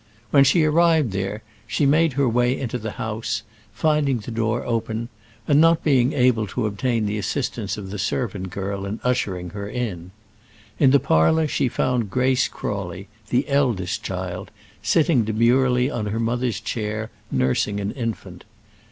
When she arrived there, she made her way into the house, finding the door open, and not being able to obtain the assistance of the servant girl in ushering her in. In the parlour she found Grace Crawley, the eldest child, sitting demurely in her mother's chair nursing an infant.